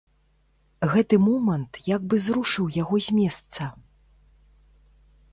Гэты момант як бы зрушыў яго з месца.